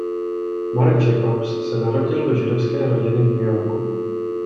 Marc Jacobs se narodil do židovské rodiny v New Yorku.